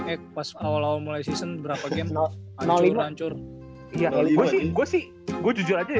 eko paspala mulai season berapa game no no hilang curi ya lebih gue sih gue jujur aja